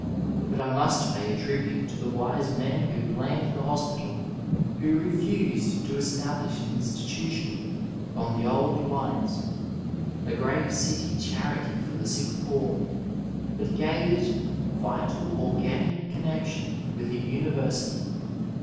But I must pay a tribute to]|the wise men who planned the hos pital, who refused to establish an institution on the old lines— a great city cfaftrity for the sick poor, but gave it vital organic connexion with a University.